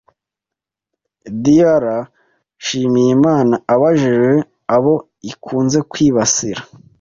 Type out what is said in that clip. Dr. Nshimiyimana abajijwe abo ikunze kwibasira